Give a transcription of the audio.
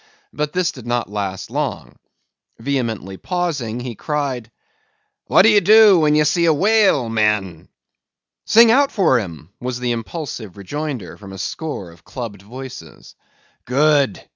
But this did not last long. Vehemently pausing, he cried:— "What do ye do when ye see a whale, men?" "Sing out for him!" was the impulsive rejoinder from a score of clubbed voices. "Good!"